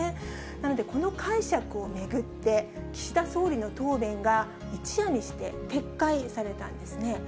なので、この解釈を巡って、岸田総理の答弁が一夜にして撤回されたんですね。